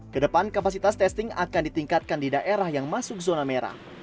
kedepan kapasitas testing akan ditingkatkan di daerah yang masuk zona merah